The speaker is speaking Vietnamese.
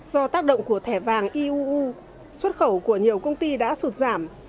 do tác động của thẻ vàng iuu xuất khẩu của nhiều công ty đã sụt giảm